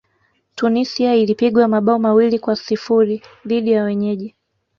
tunisia ilipigwa mabao mawili kwa sifuri dhidi ya wenyeji